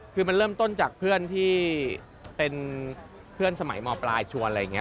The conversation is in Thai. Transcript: คือมันเริ่มต้นจากเพื่อนที่เป็นเพื่อนสมัยมปลายชวนอะไรอย่างนี้